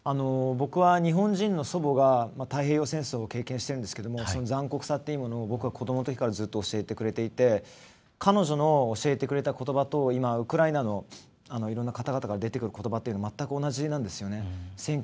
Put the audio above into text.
僕は日本人の祖母が太平洋戦争を経験してるんですけどその残酷さというものを僕は、子どものときからずっと教えてくれていて彼女の教えてくれたことばと今、ウクライナのいろんな方々から出てくることばって全く同じなんですよね。